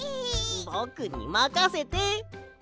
ぼくにまかせて！